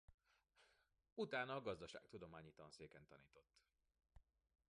Utána a gazdaságtudományi tanszéken tanított.